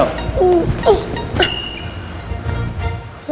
mulai sekarang lo join gue